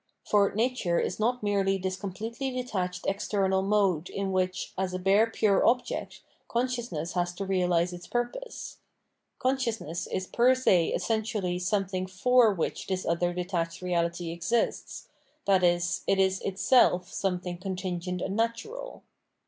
For nature is not merely this completely detached external mode in which, as a bare pure object, consciousness has to realise its purpose. Consciousness is 'per se essentially 614 Plimomerwlogy of Mind something for which this other detached reality exists, i.e. it is itself something contingent and natural.